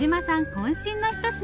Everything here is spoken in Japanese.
こん身のひと品。